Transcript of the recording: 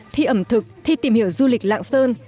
thi ẩm thực thi tìm hiểu du lịch lạng sơn